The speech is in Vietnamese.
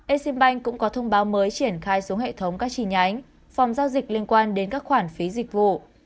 exim bank cũng có thông báo mới triển khai xuống hệ thống các chi nhánh phòng giao dịch liên quan đến các khoản phí dịch vụ